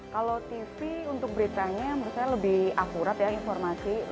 kalau tv untuk beritanya menurut saya lebih akurat ya informasi